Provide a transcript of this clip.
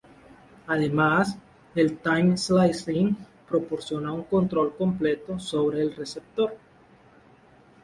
Además, el time-slicing proporciona un control completo sobre el receptor.